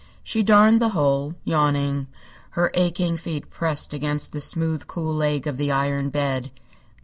She darned the hole, yawning, her aching feet pressed against the smooth, cool leg of the iron bed.